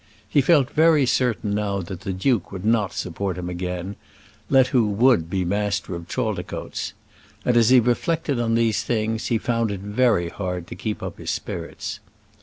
He felt very certain now that the duke would not support him again, let who would be master of Chaldicotes; and as he reflected on these things he found it very hard to keep up his spirits.